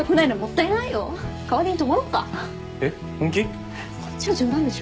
こっちは冗談でしょ？